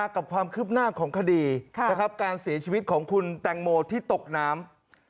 กับความคืบหน้าของคดีการเสียชีวิตของคุณแตงโมที่ตกน้ำ